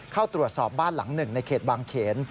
เข้าตรวจสอบบ้านหลังหนึ่งในเขตบางเขน